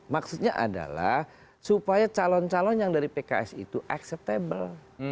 maksudnya adalah supaya calon calon yang dari pks itu acceptable